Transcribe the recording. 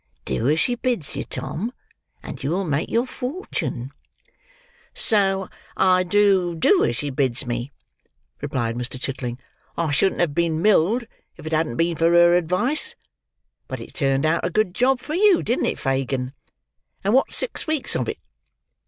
Do as she bids you, Tom, and you will make your fortune." "So I do do as she bids me," replied Mr. Chitling; "I shouldn't have been milled, if it hadn't been for her advice. But it turned out a good job for you; didn't it, Fagin! And what's six weeks of it?